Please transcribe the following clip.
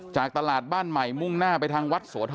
จากตลาดบ้านใหม่มุ่งหน้าไปทางวัดโสธร